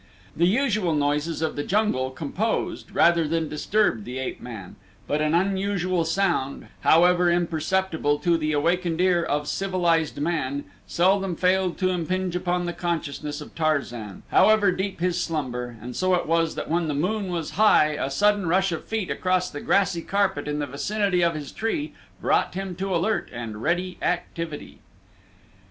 The usual noises of the jungle composed rather than disturbed the ape man but an unusual sound, however imperceptible to the awakened ear of civilized man, seldom failed to impinge upon the consciousness of Tarzan, however deep his slumber, and so it was that when the moon was high a sudden rush of feet across the grassy carpet in the vicinity of his tree brought him to alert and ready activity.